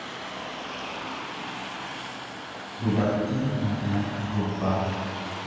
dubartii mataan shurrubbaa.